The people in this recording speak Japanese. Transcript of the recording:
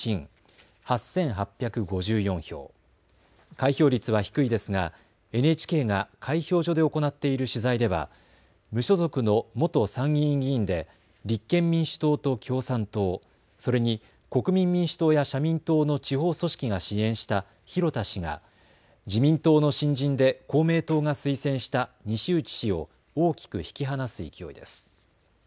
開票率は低いですがＮＨＫが開票所で行っている取材では無所属の元参議院議員で立憲民主党と共産党、それに国民民主党や社民党の地方組織が支援した広田氏が自民党の新人で公明党が推薦した西内氏を大きく引き離す勢いです。